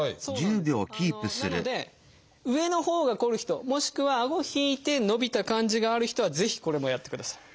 なので上のほうがこる人もしくはあご引いて伸びた感じがある人はぜひこれもやってください。